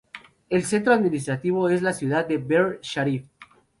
El centro administrativo es la ciudad de Bihar Sharif.